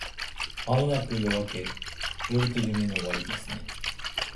間もなく夜明け…夜と夢の終わりですね